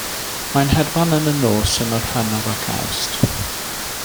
Mae'n hedfan yn y nos yng Ngorffennaf ac Awst.